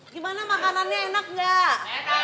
gimana makanannya enak gak